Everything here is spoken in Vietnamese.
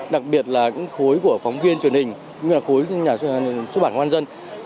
đặc biệt là những khối của phóng viên truyền hình như là khối nhà xuất bản quan dân